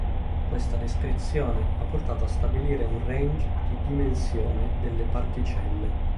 Questa descrizione ha portato a stabilire un range di dimensione delle particelle.